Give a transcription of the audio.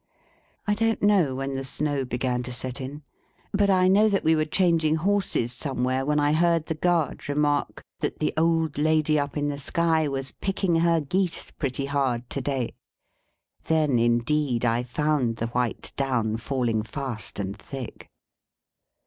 I don't know when the snow begin to set in; but I know that we were changing horses somewhere when I heard the guard remark, "That the old lady up in the sky was picking her geese pretty hard to day." Then, indeed, I found the white down falling fast and thick.